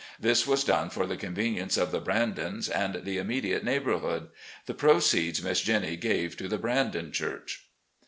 This was done for the convenience of the " Brandons" and the immediate neighbourhood. The proceeds Miss Jennie gave to the "Brandon" church.